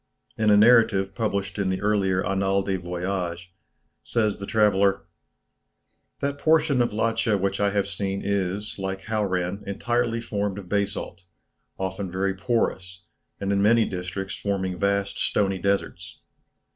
In a narrative published in the earlier "Annales des Voyages," says the traveller, "That portion of Ladscha which I have seen is, like Hauran, entirely formed of basalt, often very porous, and in many districts forming vast stony deserts.